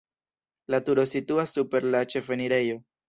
La turo situas super la ĉefenirejo.